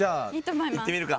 いってみるか。